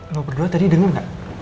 lo berdua tadi denger gak